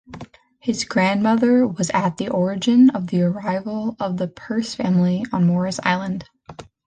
His grandmother was at the origin of the arrival of the Pearce family on Morris Island.